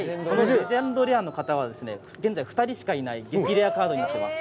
レジェンドレアの方は現在２人しかいない激レアカードになっています。